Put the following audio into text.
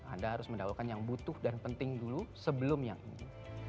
anda harus mendahulukan yang butuh dan penting dulu sebelum yang ini